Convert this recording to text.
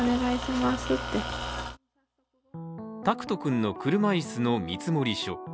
拓人君の車いすの見積書。